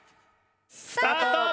スタート！